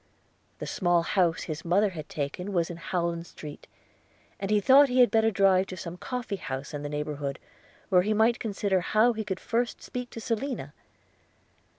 – The small house his mother had taken, was in Howland Street; and he thought he had better drive to some coffee house in the neighborhood, where he might consider how he could first speak to Selina.